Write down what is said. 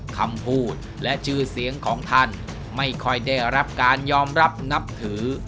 คำพูดและชื่อเสียงของท่านไม่ค่อยได้รับการยอมรับนับถือ